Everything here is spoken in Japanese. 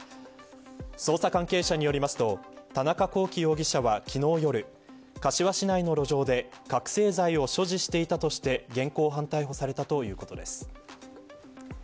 捜査関係者によりますと田中聖容疑者は昨日夜柏市内の路上で覚せい剤を所持していたとして現行犯逮捕されたということです。